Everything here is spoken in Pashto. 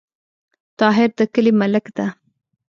طاهر د کلې ملک ده